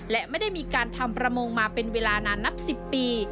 และไม่ได้มีการทำประมงมาเป็นเวลานานนับ๑๐ปี